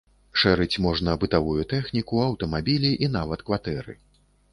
Шэрыць можна бытавую тэхніку, аўтамабілі і нават кватэры.